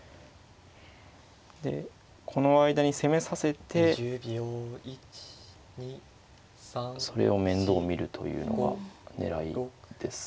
でこの間に攻めさせてそれを面倒見るというのが狙いですけど同歩か。